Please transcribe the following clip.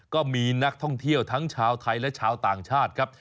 ก็มีนักท่องเที่ยวทั้งชาวไทยและชาวต่างชาติครับ